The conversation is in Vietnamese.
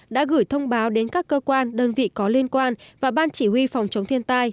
đã gửi thông báo đến các cơ quan đơn vị có liên quan và ban chỉ huy phòng chống thiên tai